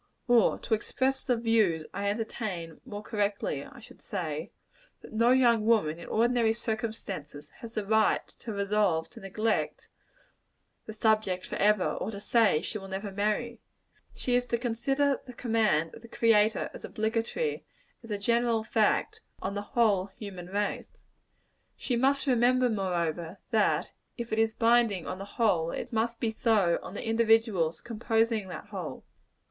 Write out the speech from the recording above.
Or, to express the views I entertain more correctly, I should say, that no young woman, in ordinary circumstances, has a right to resolve to neglect the subject forever or to say she never will marry. She is to consider the command of the Creator as obligatory, as a general fact, on the whole human race. She must remember, moreover, that if it is binding on the whole, it must be so on the individuals composing that whole.